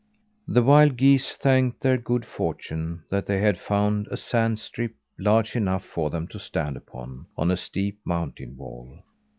The wild geese thanked their good fortune that they had found a sand strip large enough for them to stand upon, on a steep mountain wall.